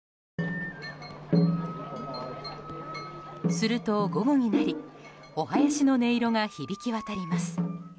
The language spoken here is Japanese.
すると、午後になりおはやしの音色が響き渡ります。